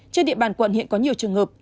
trên địa bàn quận hiện có nhiều trường hợp